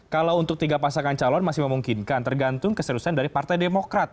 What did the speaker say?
kalau untuk tiga pasangan calon masih memungkinkan tergantung keseriusan dari partai demokrat